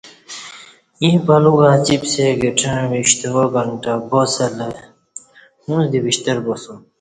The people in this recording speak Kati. ییں پلو گا چِپسے گھٹعں وِیک شتوا گھنٹہ باسلہ ااُݩڅ دی وشتر باسُوم